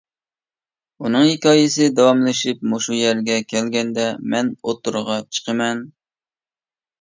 ئۇنىڭ ھېكايىسى داۋاملىشىپ مۇشۇ يەرگە كەلگەندە، مەن ئوتتۇرىغا چىقىمەن.